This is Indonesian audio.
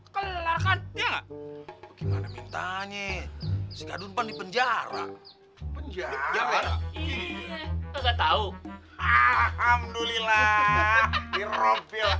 kelelakan ya gimana pintanya penjara penjara tahu alhamdulillah